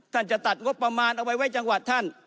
จะตัดงบประมาณเอาไว้จังหวัดท่าน